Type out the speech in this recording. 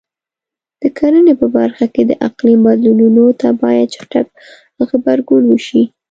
د کرنې په برخه کې د اقلیم بدلونونو ته باید چټک غبرګون وشي.